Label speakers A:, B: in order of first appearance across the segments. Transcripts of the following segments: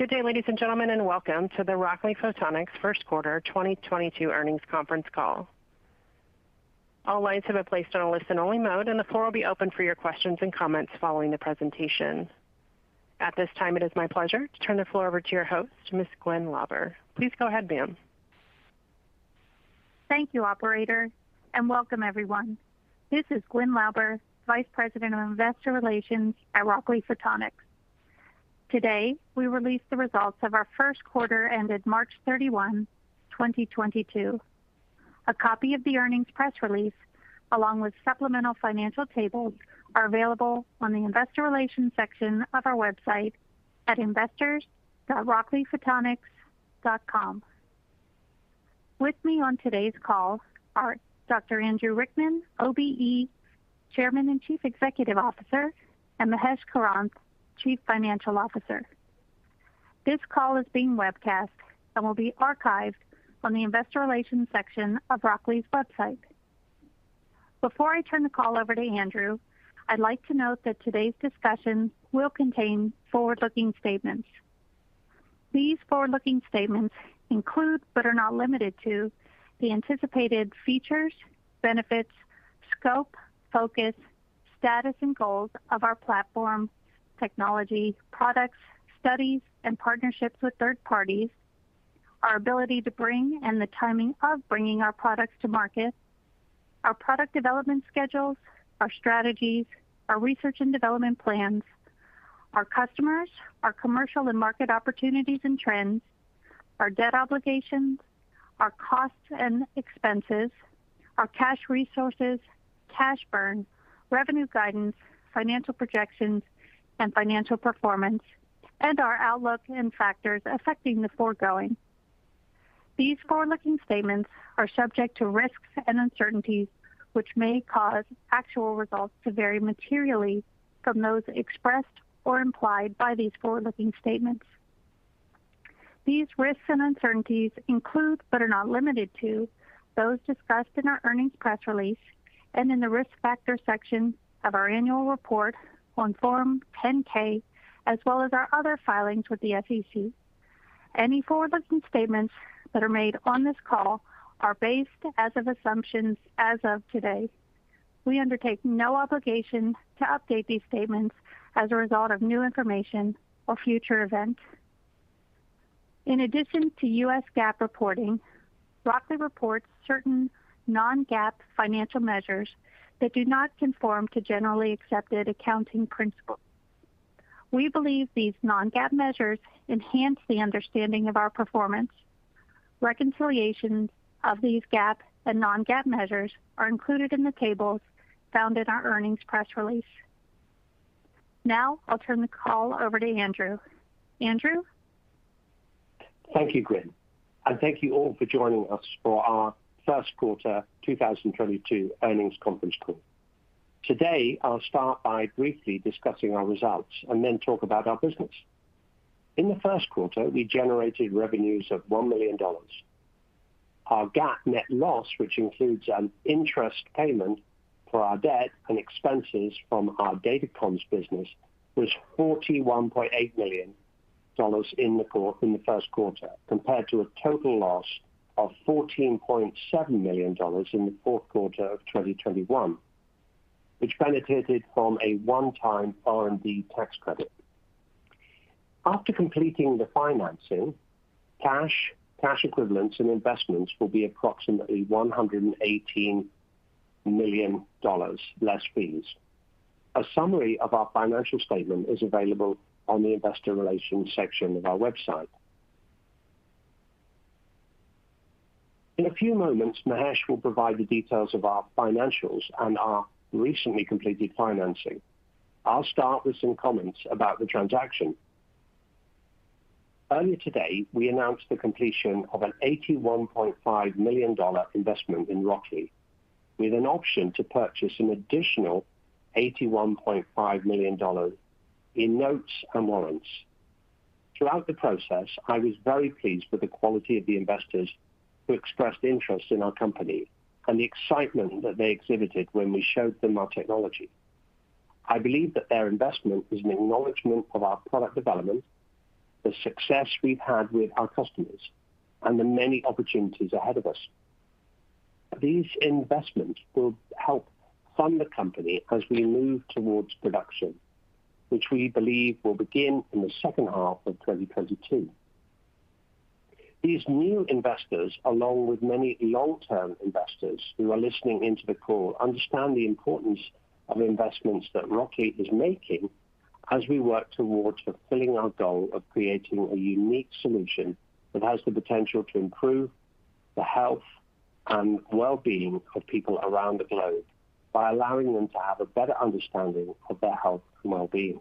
A: Good day, ladies and gentlemen, and welcome to the Rockley Photonics first quarter 2022 earnings conference call. All lines have been placed on a listen-only mode, and the floor will be open for your questions and comments following the presentation. At this time, it is my pleasure to turn the floor over to your host, Ms. Gwyn Lauber. Please go ahead, ma'am.
B: Thank you, operator, and welcome everyone. This is Gwyn Lauber, Vice President of Investor Relations at Rockley Photonics. Today, we release the results of our first quarter ended March 31, 2022. A copy of the earnings press release, along with supplemental financial tables, are available on the investor relations section of our website at investors.rockleyphotonics.com. With me on today's call are Dr. Andrew Rickman, OBE, Chairman and Chief Executive Officer, and Mahesh Karanth, Chief Financial Officer. This call is being webcast and will be archived on the investor relations section of Rockley's website. Before I turn the call over to Andrew, I'd like to note that today's discussion will contain forward-looking statements. These forward-looking statements include, but are not limited to, the anticipated features, benefits, scope, focus, status, and goals of our platform, technology, products, studies, and partnerships with third parties. Our ability to bring and the timing of bringing our products to market, our product development schedules, our strategies, our research and development plans, our customers, our commercial and market opportunities and trends, our debt obligations, our costs and expenses, our cash resources, cash burn, revenue guidance, financial projections, and financial performance, and our outlook and factors affecting the foregoing. These forward-looking statements are subject to risks and uncertainties which may cause actual results to vary materially from those expressed or implied by these forward-looking statements. These risks and uncertainties include, but are not limited to, those discussed in our earnings press release and in the Risk Factors section of our annual report on Form 10-K, as well as our other filings with the SEC. Any forward-looking statements that are made on this call are based on assumptions as of today. We undertake no obligation to update these statements as a result of new information or future events. In addition to U.S. GAAP reporting, Rockley reports certain non-GAAP financial measures that do not conform to generally accepted accounting principles. We believe these non-GAAP measures enhance the understanding of our performance. Reconciliations of these GAAP and non-GAAP measures are included in the tables found in our earnings press release. Now, I'll turn the call over to Andrew. Andrew.
C: Thank you, Gwyn, and thank you all for joining us for our first quarter 2022 earnings conference call. Today, I'll start by briefly discussing our results and then talk about our business. In the first quarter, we generated revenues of $1 million. Our GAAP net loss, which includes an interest payment for our debt and expenses from our datacom business, was $41.8 million in the first quarter, compared to a total loss of $14.7 million in the fourth quarter of 2021, which benefited from a one-time R&D tax credit. After completing the financing, cash equivalents, and investments will be approximately $118 million, less fees. A summary of our financial statement is available on the investor relations section of our website. In a few moments, Mahesh will provide the details of our financials and our recently completed financing. I'll start with some comments about the transaction. Earlier today, we announced the completion of an $81.5 million investment in Rockley, with an option to purchase an additional $81.5 million in notes and warrants. Throughout the process, I was very pleased with the quality of the investors who expressed interest in our company and the excitement that they exhibited when we showed them our technology. I believe that their investment is an acknowledgment of our product development, the success we've had with our customers, and the many opportunities ahead of us. These investments will help fund the company as we move towards production, which we believe will begin in the second half of 2022. These new investors, along with many long-term investors who are listening into the call, understand the importance of investments that Rockley is making as we work towards fulfilling our goal of creating a unique solution that has the potential to improve the health and wellbeing of people around the globe by allowing them to have a better understanding of their health and wellbeing.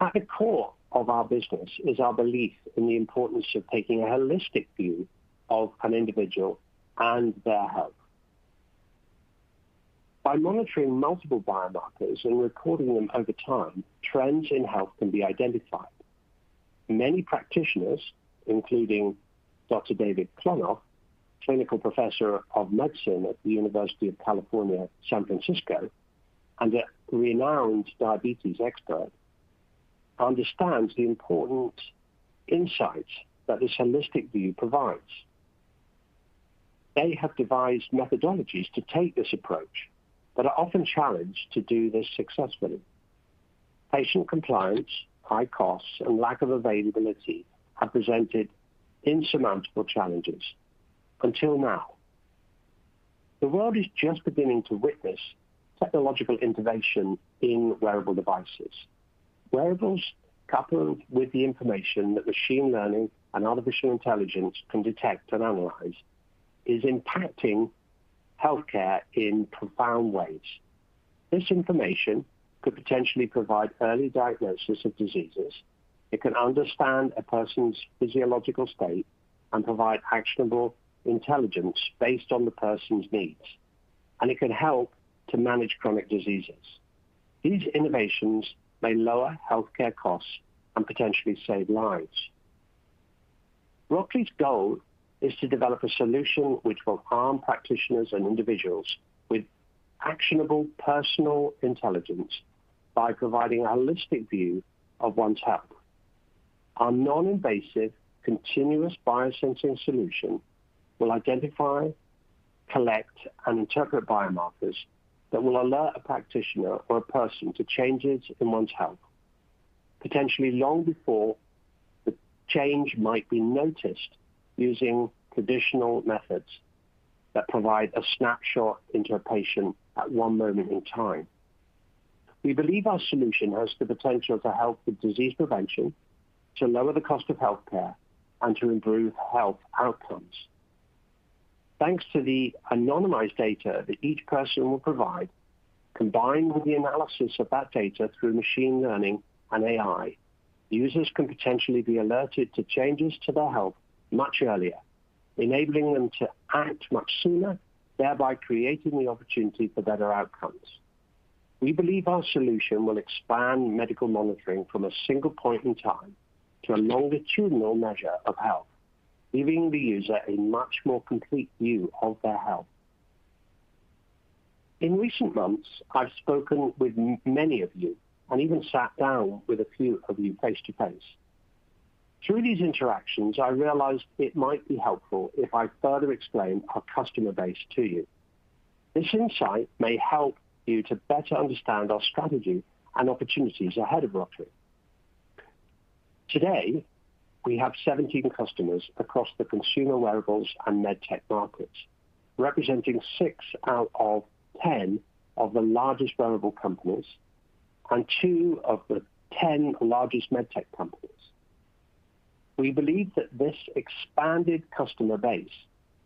C: At the core of our business is our belief in the importance of taking a holistic view of an individual and their health. By monitoring multiple biomarkers and recording them over time, trends in health can be identified. Many practitioners, including Dr. David Klonoff, Clinical Professor of Medicine at the University of California, San Francisco, and a renowned diabetes expert, understands the important insights that this holistic view provides. They have devised methodologies to take this approach, but are often challenged to do this successfully. Patient compliance, high costs, and lack of availability have presented insurmountable challenges until now. The world is just beginning to witness technological innovation in wearable devices. Wearables coupled with the information that machine learning and artificial intelligence can detect and analyze is impacting healthcare in profound ways. This information could potentially provide early diagnosis of diseases. It can understand a person's physiological state and provide actionable intelligence based on the person's needs, and it can help to manage chronic diseases. These innovations may lower healthcare costs and potentially save lives. Rockley's goal is to develop a solution which will arm practitioners and individuals with actionable personal intelligence by providing a holistic view of one's health. Our non-invasive continuous biosensing solution will identify, collect, and interpret biomarkers that will alert a practitioner or a person to changes in one's health, potentially long before the change might be noticed using traditional methods that provide a snapshot into a patient at one moment in time. We believe our solution has the potential to help with disease prevention, to lower the cost of healthcare, and to improve health outcomes. Thanks to the anonymized data that each person will provide, combined with the analysis of that data through machine learning and AI, users can potentially be alerted to changes to their health much earlier, enabling them to act much sooner, thereby creating the opportunity for better outcomes. We believe our solution will expand medical monitoring from a single point in time to a longitudinal measure of health, giving the user a much more complete view of their health. In recent months, I've spoken with many of you and even sat down with a few of you face-to-face. Through these interactions, I realized it might be helpful if I further explain our customer base to you. This insight may help you to better understand our strategy and opportunities ahead of Rockley. Today, we have 17 customers across the consumer wearables and med tech markets, representing six out of 10 of the largest wearable companies and two of the 10 largest med tech companies. We believe that this expanded customer base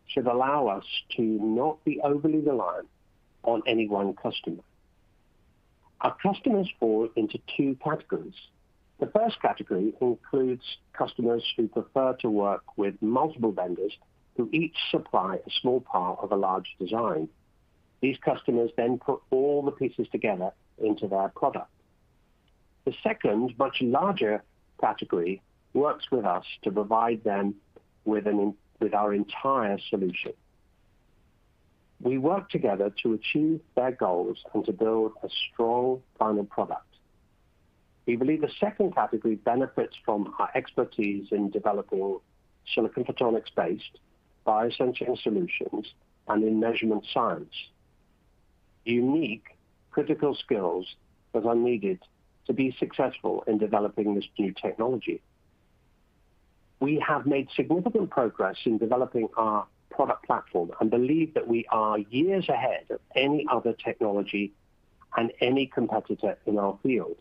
C: should allow us to not be overly reliant on any one customer. Our customers fall into two categories. The first category includes customers who prefer to work with multiple vendors who each supply a small part of a large design. These customers then put all the pieces together into their product. The second much larger category works with us to provide them with our entire solution. We work together to achieve their goals and to build a strong final product. We believe the second category benefits from our expertise in developing silicon photonics-based biosensing solutions and in measurement science. Unique critical skills that are needed to be successful in developing this new technology. We have made significant progress in developing our product platform and believe that we are years ahead of any other technology and any competitor in our field.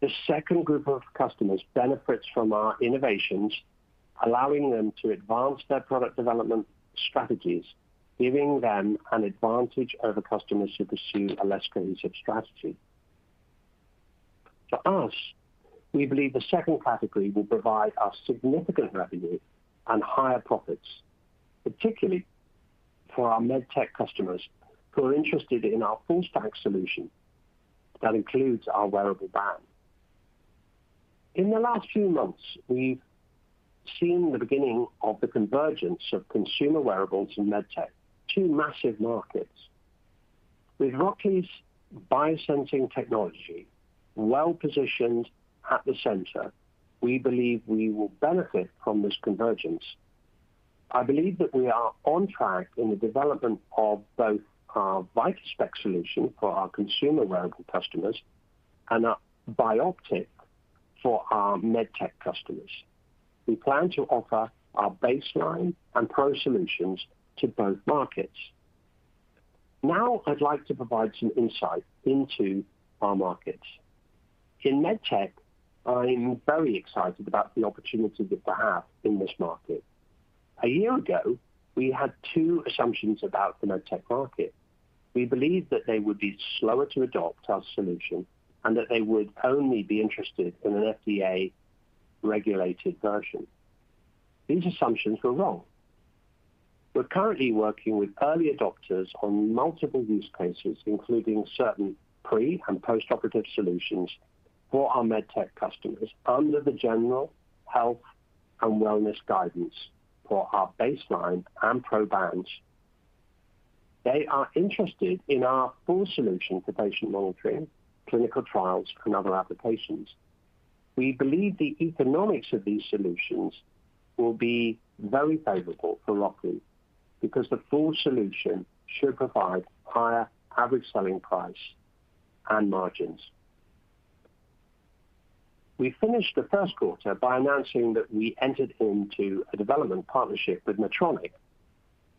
C: The second group of customers benefits from our innovations, allowing them to advance their product development strategies, giving them an advantage over customers who pursue a less cohesive strategy. For us, we believe the second category will provide us significant revenue and higher profits, particularly for our med tech customers who are interested in our full stack solution that includes our wearable band. In the last few months, we've seen the beginning of the convergence of consumer wearables and med tech, two massive markets. With Rockley's biosensing technology well-positioned at the center, we believe we will benefit from this convergence. I believe that we are on track in the development of both our VitalSpex solution for our consumer wearable customers and our Bioptx for our med tech customers. We plan to offer our Baseline and Pro solutions to both markets. Now, I'd like to provide some insight into our markets. In med tech, I'm very excited about the opportunity that we have in this market. A year ago, we had two assumptions about the med tech market. We believed that they would be slower to adopt our solution and that they would only be interested in an FDA-regulated version. These assumptions were wrong. We're currently working with early adopters on multiple use cases, including certain pre- and post-operative solutions for our med tech customers under the general health and wellness guidance for our Baseline and Pro bands. They are interested in our full solution for patient monitoring, clinical trials and other applications. We believe the economics of these solutions will be very favorable for Rockley because the full solution should provide higher average selling price and margins. We finished the first quarter by announcing that we entered into a development partnership with Medtronic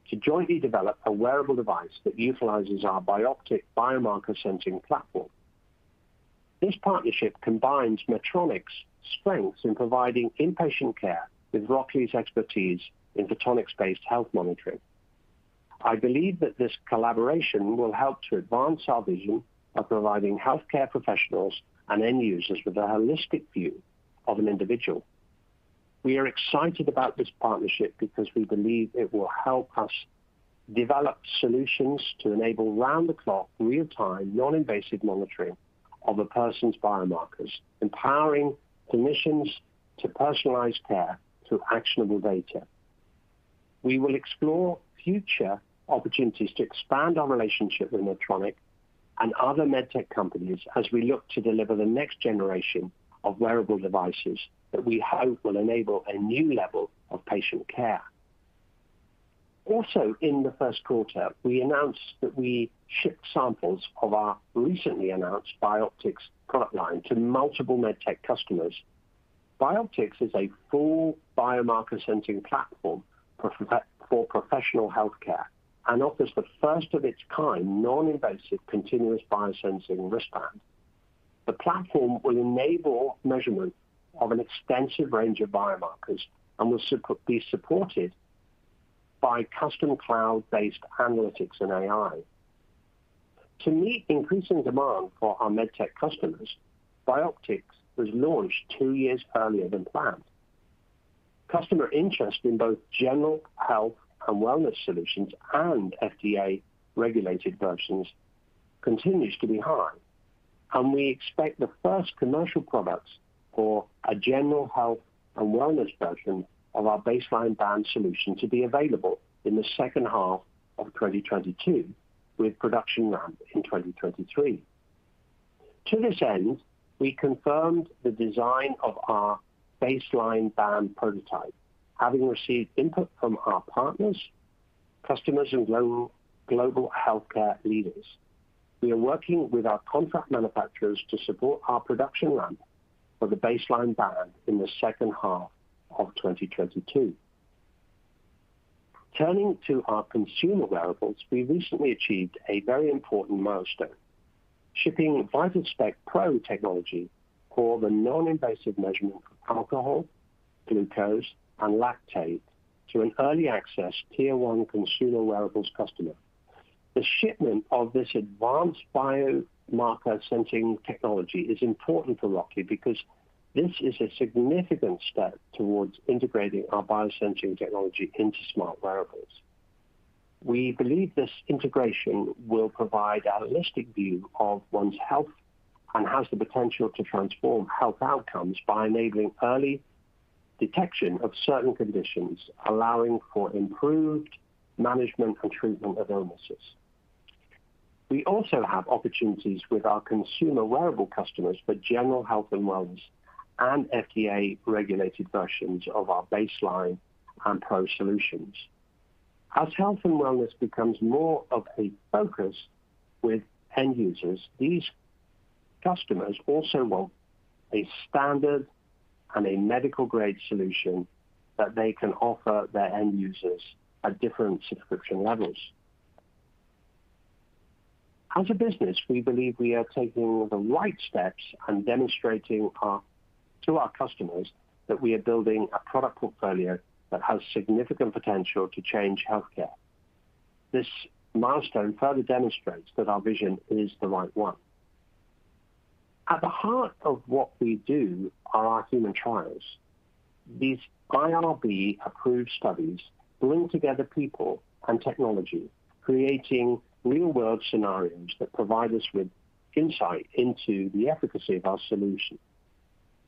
C: to jointly develop a wearable device that utilizes our Bioptx biomarker sensing platform. This partnership combines Medtronic's strengths in providing inpatient care with Rockley's expertise in photonics-based health monitoring. I believe that this collaboration will help to advance our vision of providing healthcare professionals and end users with a holistic view of an individual. We are excited about this partnership because we believe it will help us develop solutions to enable round-the-clock, real-time, non-invasive monitoring of a person's biomarkers, empowering clinicians to personalize care through actionable data. We will explore future opportunities to expand our relationship with Medtronic and other med tech companies as we look to deliver the next generation of wearable devices that we hope will enable a new level of patient care. Also, in the first quarter, we announced that we shipped samples of our recently announced Bioptx product line to multiple med tech customers. Bioptx is a full biomarker sensing platform for professional healthcare and offers the first of its kind non-invasive continuous biosensing wristband. The platform will enable measurement of an extensive range of biomarkers and will be supported by custom cloud-based analytics and AI. To meet increasing demand for our med tech customers, Bioptx was launched two years earlier than planned. Customer interest in both general health and wellness solutions and FDA-regulated versions continues to be high, and we expect the first commercial products for a general health and wellness version of our Baseline band solution to be available in the second half of 2022, with production ramp in 2023. To this end, we confirmed the design of our Baseline band prototype, having received input from our partners, customers and global healthcare leaders. We are working with our contract manufacturers to support our production ramp for the Baseline band in the second half of 2022. Turning to our consumer wearables, we recently achieved a very important milestone, shipping VitalSpex Pro technology for the non-invasive measurement of alcohol, glucose, and lactate to an early access tier one consumer wearables customer. The shipment of this advanced biomarker sensing technology is important for Rockley because this is a significant step towards integrating our biosensing technology into smart wearables. We believe this integration will provide a holistic view of one's health and has the potential to transform health outcomes by enabling early detection of certain conditions, allowing for improved management and treatment of illnesses. We also have opportunities with our consumer wearable customers for general health and wellness and FDA-regulated versions of our Baseline and Pro solutions. As health and wellness becomes more of a focus with end users, these customers also want a standard and a medical-grade solution that they can offer their end users at different subscription levels. As a business, we believe we are taking the right steps and demonstrating to our customers that we are building a product portfolio that has significant potential to change healthcare. This milestone further demonstrates that our vision is the right one. At the heart of what we do are our human trials. These IRB-approved studies bring together people and technology, creating real-world scenarios that provide us with insight into the efficacy of our solution.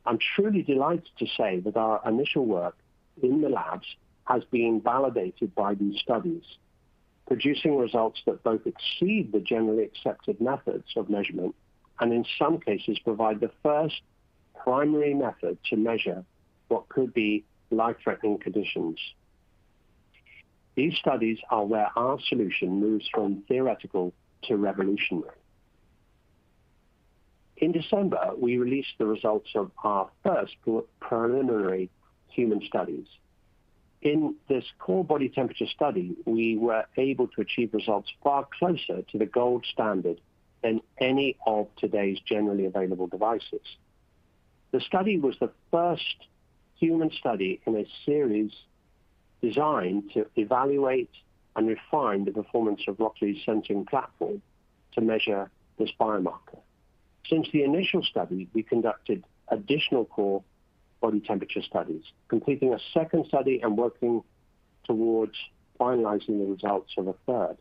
C: I'm truly delighted to say that our initial work in the labs has been validated by these studies, producing results that both exceed the generally accepted methods of measurement and, in some cases, provide the first primary method to measure what could be life-threatening conditions. These studies are where our solution moves from theoretical to revolutionary. In December, we released the results of our first preliminary human studies. In this core body temperature study, we were able to achieve results far closer to the gold standard than any of today's generally available devices. The study was the first human study in a series designed to evaluate and refine the performance of Rockley's sensing platform to measure this biomarker. Since the initial study, we conducted additional core body temperature studies, completing a second study and working towards finalizing the results of a third.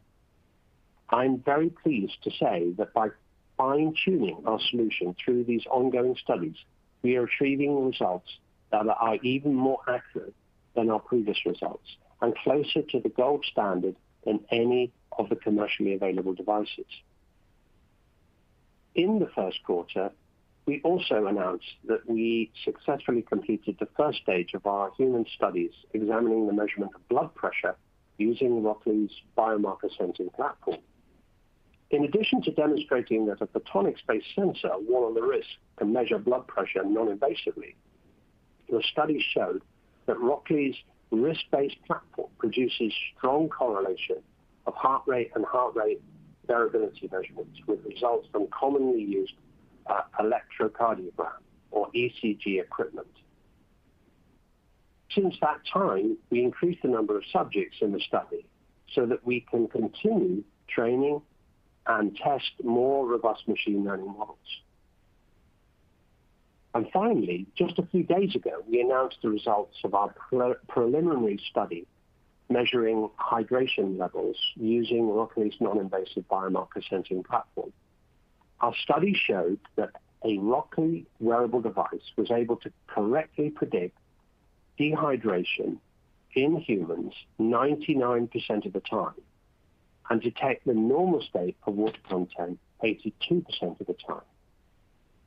C: I'm very pleased to say that by fine-tuning our solution through these ongoing studies, we are achieving results that are even more accurate than our previous results and closer to the gold standard than any of the commercially available devices. In the first quarter, we also announced that we successfully completed the first stage of our human studies examining the measurement of blood pressure using Rockley's biomarker sensing platform. In addition to demonstrating that a photonics-based sensor worn on the wrist can measure blood pressure non-invasively, the study showed that Rockley's wrist-based platform produces strong correlation of heart rate and heart rate variability measurements with results from commonly used electrocardiogram or ECG equipment. Since that time, we increased the number of subjects in the study so that we can continue training and test more robust machine learning models. Finally, just a few days ago, we announced the results of our pre-preliminary study measuring hydration levels using Rockley's non-invasive biomarker sensing platform. Our study showed that a Rockley wearable device was able to correctly predict dehydration in humans 99% of the time and detect the normal state of water content 82% of the time.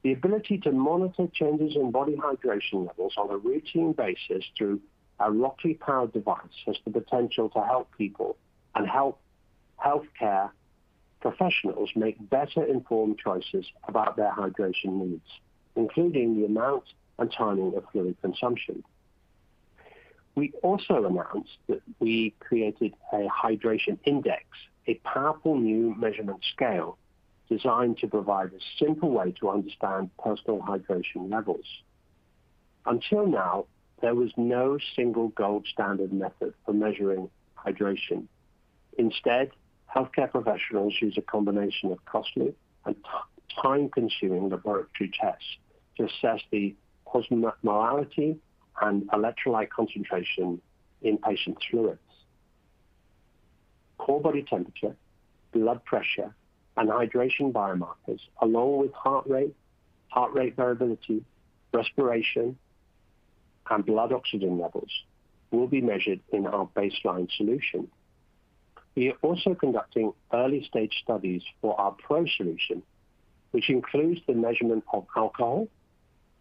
C: The ability to monitor changes in body hydration levels on a routine basis through a Rockley-powered device has the potential to help people and help healthcare professionals make better-informed choices about their hydration needs, including the amount and timing of fluid consumption. We also announced that we created a hydration index, a powerful new measurement scale designed to provide a simple way to understand personal hydration levels. Until now, there was no single gold standard method for measuring hydration. Instead, healthcare professionals use a combination of costly and time-consuming laboratory tests to assess the osmolality and electrolyte concentration in patient fluids. Core body temperature, blood pressure, and hydration biomarkers, along with heart rate, heart rate variability, respiration, and blood oxygen levels, will be measured in our baseline solution. We are also conducting early-stage studies for our Pro solution, which includes the measurement of alcohol,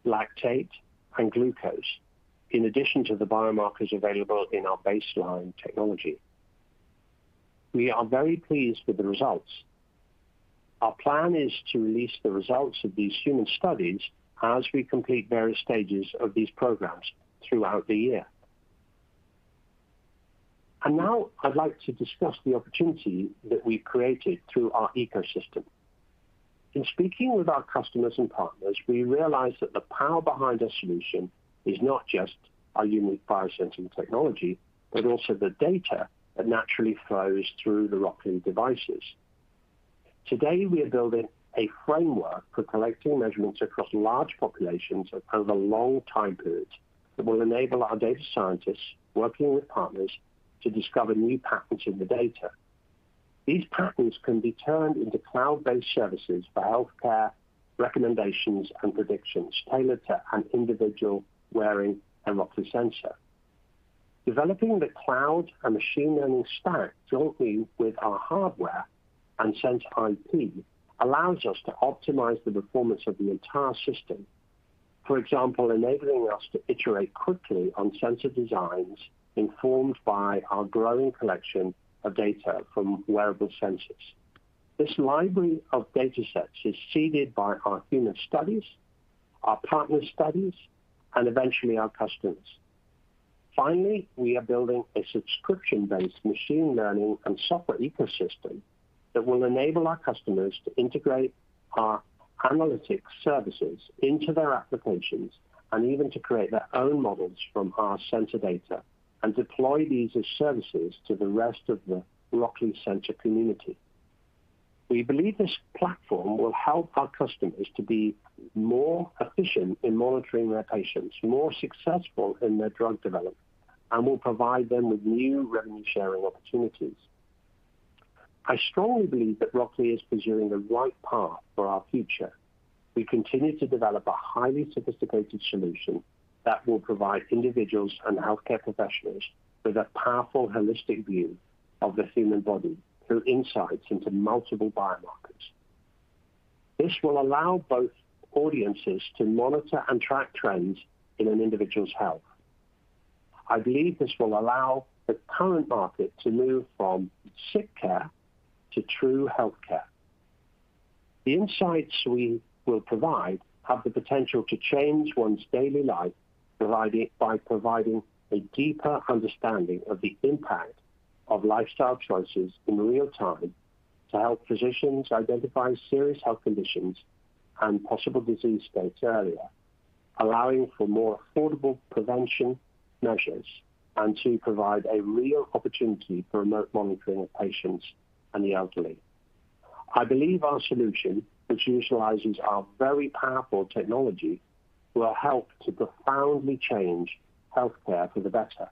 C: lactate, and glucose, in addition to the biomarkers available in our baseline technology. We are very pleased with the results. Our plan is to release the results of these human studies as we complete various stages of these programs throughout the year. Now I'd like to discuss the opportunity that we've created through our ecosystem. In speaking with our customers and partners, we realized that the power behind our solution is not just our unique biosensing technology, but also the data that naturally flows through the Rockley devices. Today, we are building a framework for collecting measurements across large populations over long time periods that will enable our data scientists working with partners to discover new patterns in the data. These patterns can be turned into cloud-based services for healthcare recommendations and predictions tailored to an individual wearing a Rockley sensor. Developing the cloud and machine learning stack jointly with our hardware and sensor IP allows us to optimize the performance of the entire system. For example, enabling us to iterate quickly on sensor designs informed by our growing collection of data from wearable sensors. This library of datasets is seeded by our human studies, our partner studies, and eventually our customers. Finally, we are building a subscription-based machine learning and software ecosystem that will enable our customers to integrate our analytics services into their applications and even to create their own models from our sensor data and deploy these as services to the rest of the Rockley sensor community. We believe this platform will help our customers to be more efficient in monitoring their patients, more successful in their drug development, and will provide them with new revenue-sharing opportunities. I strongly believe that Rockley is pursuing the right path for our future. We continue to develop a highly sophisticated solution that will provide individuals and healthcare professionals with a powerful, holistic view of the human body through insights into multiple biomarkers. This will allow both audiences to monitor and track trends in an individual's health. I believe this will allow the current market to move from sick care to true health care. The insights we will provide have the potential to change one's daily life by providing a deeper understanding of the impact of lifestyle choices in real time to help physicians identify serious health conditions and possible disease states earlier. Allowing for more affordable prevention measures and to provide a real opportunity for remote monitoring of patients and the elderly. I believe our solution, which utilizes our very powerful technology, will help to profoundly change healthcare for the better.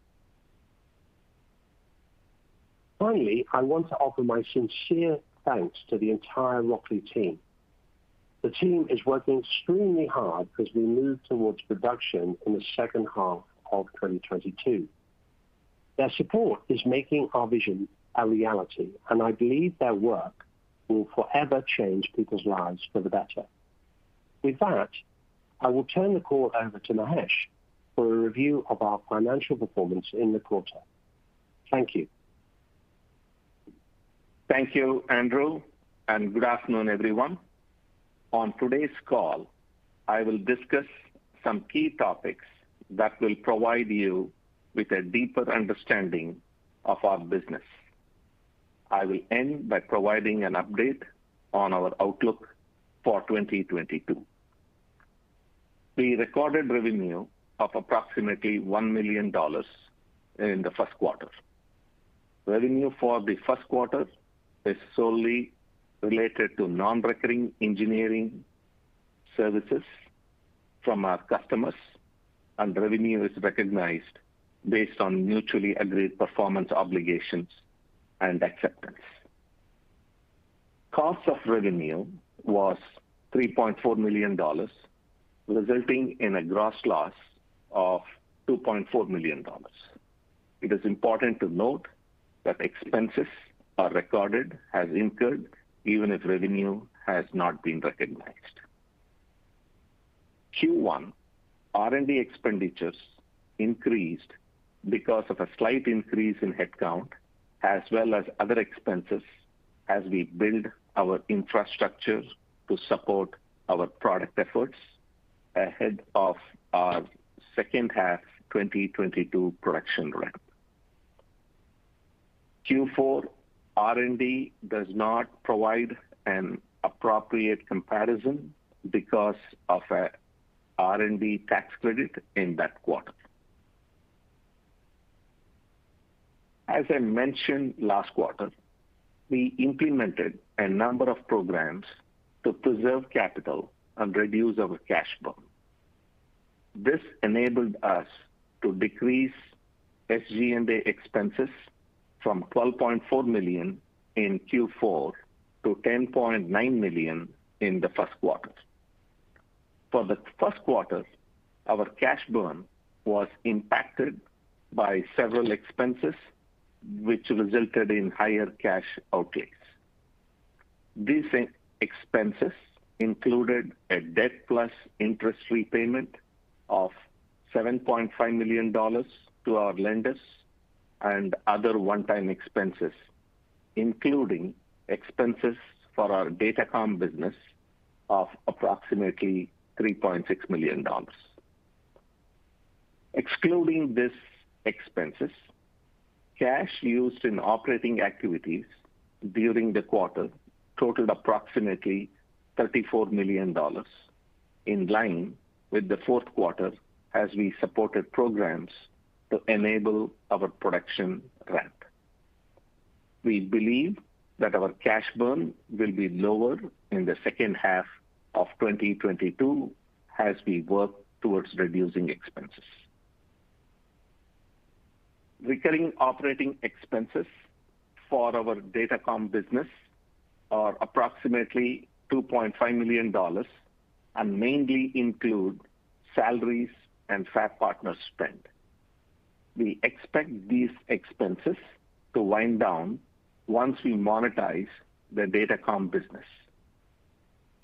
C: Finally, I want to offer my sincere thanks to the entire Rockley team. The team is working extremely hard as we move towards production in the second half of 2022. Their support is making our vision a reality, and I believe their work will forever change people's lives for the better. With that, I will turn the call over to Mahesh for a review of our financial performance in the quarter. Thank you.
D: Thank you, Andrew, and good afternoon, everyone. On today's call, I will discuss some key topics that will provide you with a deeper understanding of our business. I will end by providing an update on our outlook for 2022. We recorded revenue of approximately $1 million in the first quarter. Revenue for the first quarter is solely related to non-recurring engineering services from our customers, and revenue is recognized based on mutually agreed performance obligations and acceptance. Cost of revenue was $3.4 million, resulting in a gross loss of $2.4 million. It is important to note that expenses are recorded as incurred even if revenue has not been recognized. Q1 R&D expenditures increased because of a slight increase in headcount as well as other expenses as we build our infrastructure to support our product efforts ahead of our second half 2022 production ramp. Q4 R&D does not provide an appropriate comparison because of a R&D tax credit in that quarter. As I mentioned last quarter, we implemented a number of programs to preserve capital and reduce our cash burn. This enabled us to decrease SG&A expenses from $12.4 million in Q4 to $10.9 million in the first quarter. For the first quarter, our cash burn was impacted by several expenses, which resulted in higher cash outlays. These expenses included a debt plus interest repayment of $7.5 million to our lenders and other one-time expenses, including expenses for our datacom business of approximately $3.6 million. Excluding these expenses, cash used in operating activities during the quarter totaled approximately $34 million, in line with the fourth quarter as we supported programs to enable our production ramp. We believe that our cash burn will be lower in the second half of 2022 as we work towards reducing expenses. Recurring operating expenses for our datacom business are approximately $2.5 million and mainly include salaries and fab partner spend. We expect these expenses to wind down once we monetize the datacom business.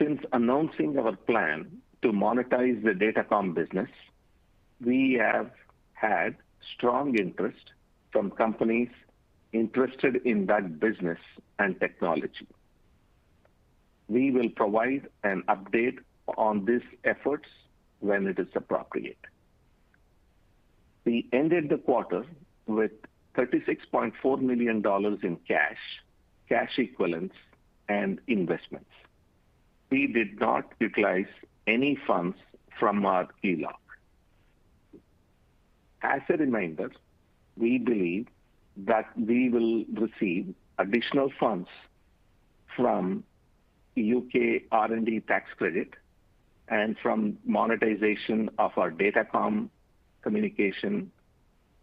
D: Since announcing our plan to monetize the datacom business, we have had strong interest from companies interested in that business and technology. We will provide an update on these efforts when it is appropriate. We ended the quarter with $36.4 million in cash equivalents, and investments. We did not utilize any funds from our ELOC. As a reminder, we believe that we will receive additional funds from U.K. R&D tax credit and from monetization of our datacom communication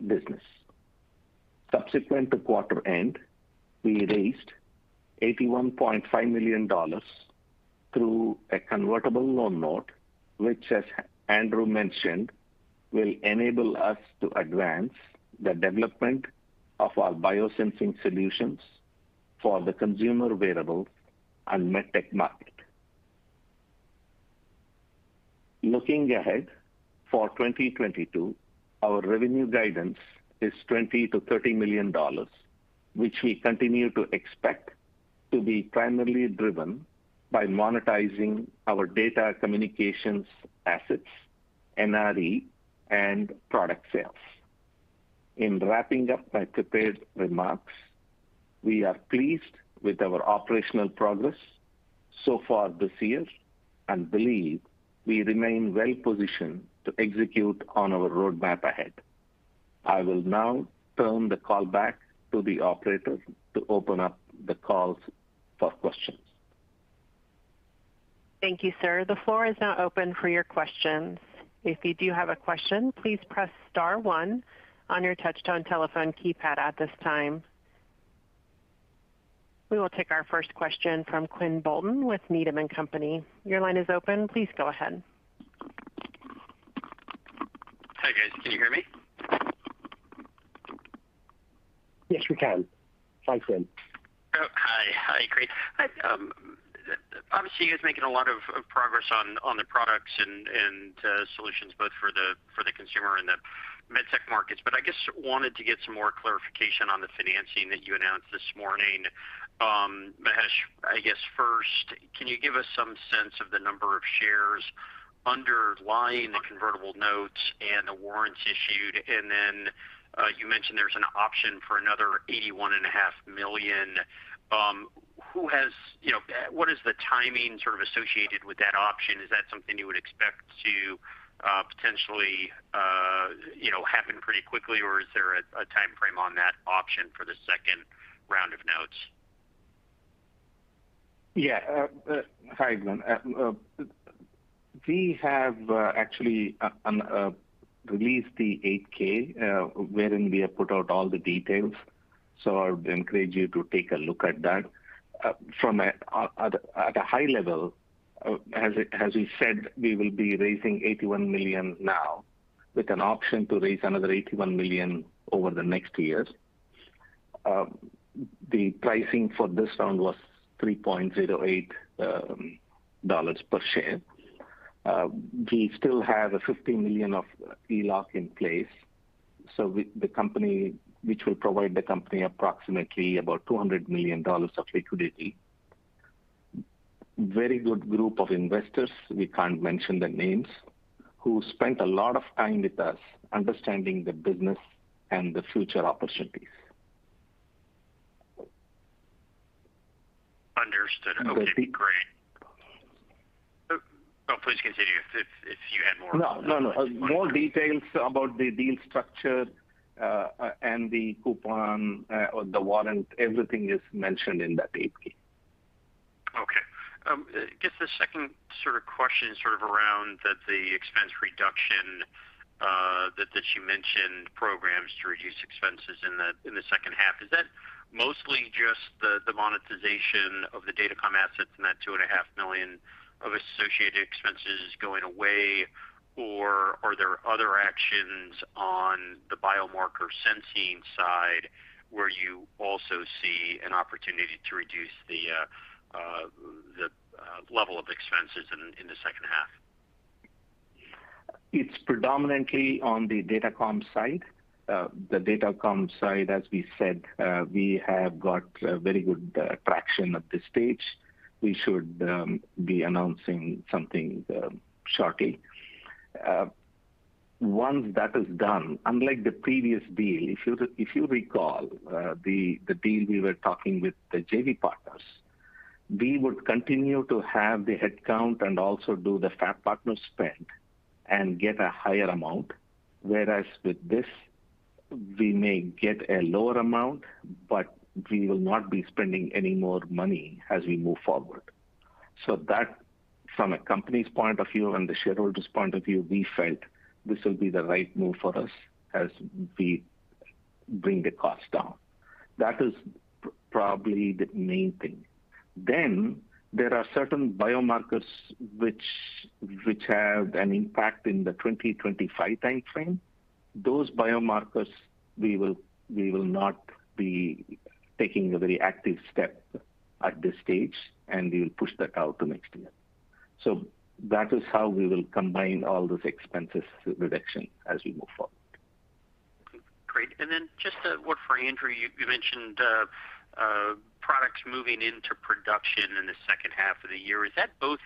D: business. Subsequent to quarter end, we raised $81.5 million through a convertible loan note, which, as Andrew mentioned, will enable us to advance the development of our biosensing solutions for the consumer wearables and MedTech market. Looking ahead, for 2022, our revenue guidance is $20-$30 million, which we continue to expect to be primarily driven by monetizing our data communications assets, NRE, and product sales. In wrapping up my prepared remarks, we are pleased with our operational progress so far this year and believe we remain well positioned to execute on our roadmap ahead. I will now turn the call back to the operator to open up the calls for questions.
A: Thank you, sir. The floor is now open for your questions. If you do have a question, please press star one on your touch-tone telephone keypad at this time. We will take our first question from Quinn Bolton with Needham & Company. Your line is open. Please go ahead.
E: Hi, guys. Can you hear me?
C: Yes, we can. Hi, Quinn.
E: Oh, hi. Hi Rick. Obviously you guys are making a lot of progress on the products and solutions both for the consumer and the med tech markets. I guess wanted to get some more clarification on the financing that you announced this morning. Mahesh, I guess first, can you give us some sense of the number of shares underlying the convertible notes and the warrants issued? Then, you mentioned there's an option for another 81.5 million. You know, what is the timing sort of associated with that option? Is that something you would expect to potentially you know, happen pretty quickly, or is there a timeframe on that option for the second round of notes?
D: Yeah. Hi, Quinn. We have actually released the 8-K, wherein we have put out all the details, so I would encourage you to take a look at that. From a high level, as we said, we will be raising $81 million now, with an option to raise another $81 million over the next years. The pricing for this round was $3.08 per share. We still have a $50 million ELOC in place, so with the company, which will provide the company approximately about $200 million of liquidity. Very good group of investors, we can't mention the names, who spent a lot of time with us understanding the business and the future opportunities.
E: Understood.
D: There'll be-
E: Okay, great. Please continue if you had more.
D: No. No, no.
E: Okay.
D: More details about the deal structure, and the coupon, or the warrant, everything is mentioned in that 8-K.
E: Okay. I guess the second sort of question sort of around the expense reduction that you mentioned programs to reduce expenses in the second half. Is that mostly just the monetization of the Datacom assets and that $2.5 million of associated expenses going away? Or are there other actions on the biomarker sensing side where you also see an opportunity to reduce the level of expenses in the second half?
D: It's predominantly on the datacom side. The datacom side, as we said, we have got very good traction at this stage. We should be announcing something shortly. Once that is done, unlike the previous deal, if you recall, the deal we were talking with the JV partners, we would continue to have the headcount and also do the fab partner spend and get a higher amount, whereas with this, we may get a lower amount, but we will not be spending any more money as we move forward. That from a company's point of view and the shareholders' point of view, we felt this will be the right move for us as we bring the cost down. That is probably the main thing. There are certain biomarkers which have an impact in the 2025 timeframe. Those biomarkers we will not be taking a very active step at this stage, and we will push that out to next year. That is how we will combine all those expenses reduction as we move forward.
E: Great. Just one for Andrew. You mentioned products moving into production in the second half of the year. Is that both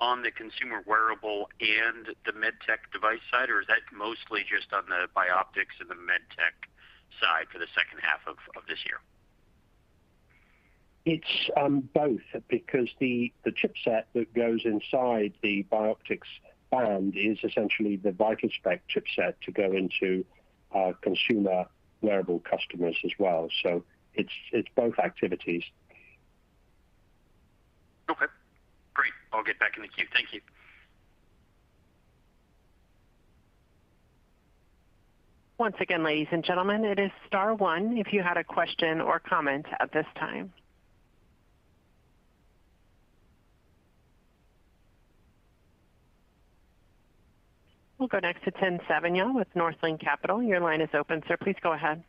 E: on the consumer wearable and the med tech device side, or is that mostly just on the Bioptx and the med tech side for the second half of this year?
C: It's both because the chipset that goes inside the Bioptx band is essentially the VitalSpex chipset to go into our consumer wearable customers as well. It's both activities.
E: Okay, great. I'll get back in the queue. Thank you.
A: Once again, ladies and gentlemen, it is star one if you had a question or comment at this time. We'll go next to Tim Savageaux with Northland Capital Markets. Your line is open, sir. Please go ahead.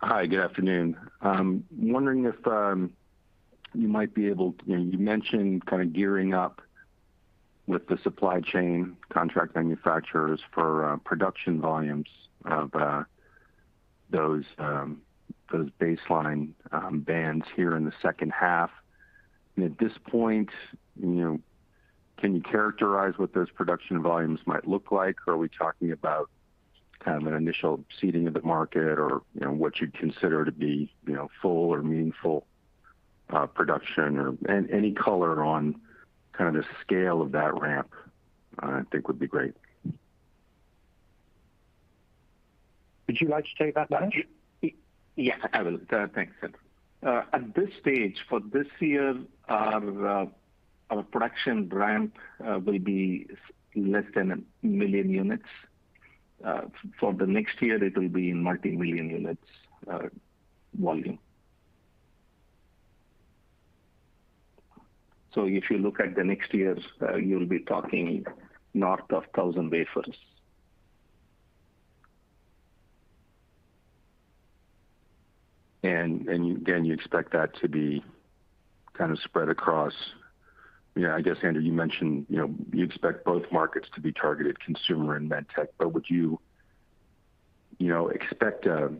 F: Hi, good afternoon. I'm wondering if you might be able. You know, you mentioned kind of gearing up with the supply chain contract manufacturers for production volumes of those Baseline bands here in the second half. At this point, you know, can you characterize what those production volumes might look like? Are we talking about kind of an initial seeding of the market or, you know, what you'd consider to be, you know, full or meaningful production or any color on kind of the scale of that ramp? I think would be great.
C: Would you like to take that, Mahesh?
D: Yeah, I will. Thanks, Andrew. At this stage, for this year, our production ramp will be less than 1 million units. For the next year, it will be in multimillion units volume. If you look at the next years, you'll be talking north of 1,000 wafers.
F: Again, you expect that to be kind of spread across. You know, I guess, Andrew, you mentioned, you know, you expect both markets to be targeted, consumer and med tech, but would you know, expect a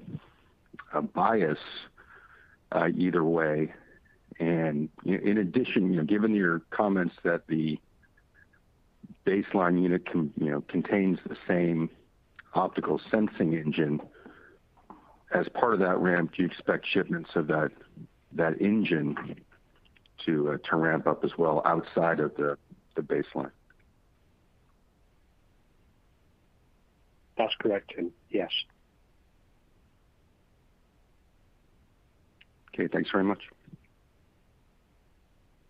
F: bias either way? In addition, you know, given your comments that the Baseline unit contains the same optical sensing engine, as part of that ramp, do you expect shipments of that engine to ramp up as well outside of the Baseline?
C: That's correct, Tim. Yes.
F: Okay. Thanks very much.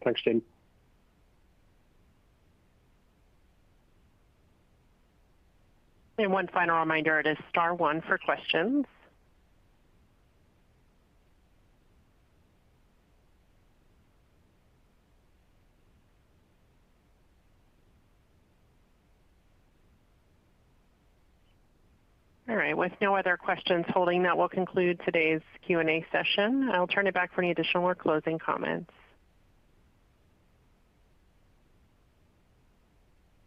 C: Thanks, Tim.
A: One final reminder, it is star one for questions. All right. With no other questions holding, that will conclude today's Q&A session. I'll turn it back for any additional or closing comments.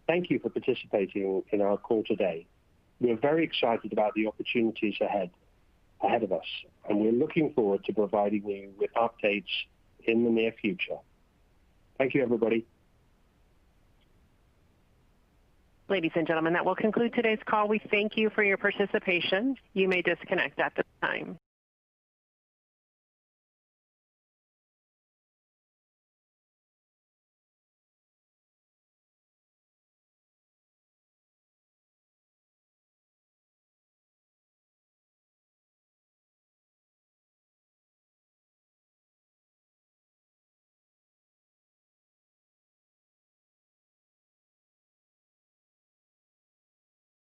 C: Thank you for participating in our call today. We are very excited about the opportunities ahead of us, and we're looking forward to providing you with updates in the near future. Thank you, everybody.
A: Ladies and gentlemen, that will conclude today's call. We thank you for your participation. You may disconnect at this time.